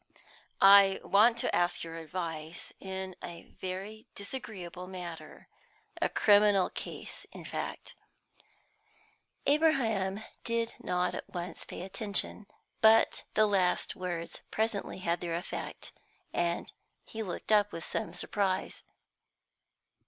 "I want to ask your advice in a very disagreeable matter a criminal case, in fact." Abraham did not at once pay attention, but the last words presently had their effect, and he looked up with some surprise.